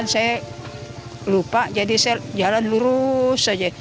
saya lupa jadi saya jalan lurus aja